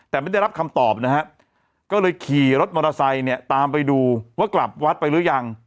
แต่ไม่ได้รับคำตอบนะฮะก็เลยขี่รถมอเตอร์ไซค์เนี่ยตามไปดูว่ากลับวัดไปหรือยัง